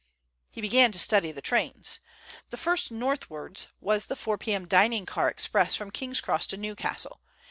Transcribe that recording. He began to study the trains. The first northwards was the 4 p.m. dining car express from King's Cross to Newcastle.